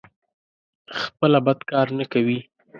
خپله بد کار نه کوي.